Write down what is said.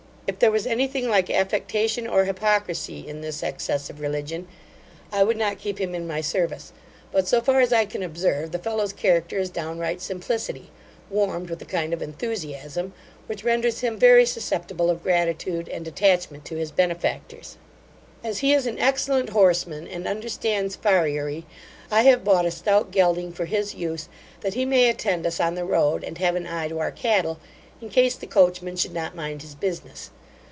If there was any thing like affectation or hypocrisy in this excess of religion, I would not keep him in my service, but, so far as I can observe, the fellow's character is downright simplicity, warmed with a kind of enthusiasm, which renders him very susceptible of gratitude and attachment to his benefactors. As he is an excellent horseman, and understands farriery, I have bought a stout gelding for his use, that he may attend us on the road, and have an eye to our cattle, in case the coachman should not mind his business.